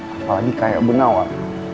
apalagi kayak bener om